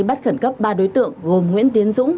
bắt khẩn cấp ba đối tượng gồm nguyễn tiến dũng